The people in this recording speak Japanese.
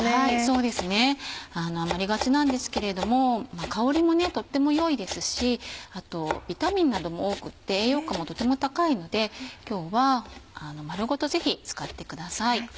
そうですね余りがちなんですけれども香りもとっても良いですしあとビタミンなども多くて栄養価もとても高いので今日は丸ごとぜひ使ってください。